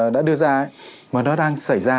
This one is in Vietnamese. đã đưa ra mà nó đang xảy ra